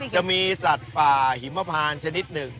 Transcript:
จะมีสัตว์ป่าหิมพานชนิดหนึ่ง